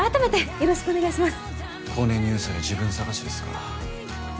よろしくお願いします